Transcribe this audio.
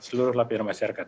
seluruh lapisan masyarakat